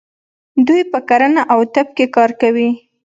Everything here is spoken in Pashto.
دوی په کرنه او طب کې کار کوي.